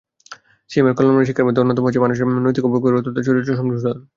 সিয়ামের কল্যাণময় শিক্ষার মধ্যে অন্যতম হচ্ছে মানুষের নৈতিক অবক্ষয় রোধ তথা চরিত্র সংশোধন।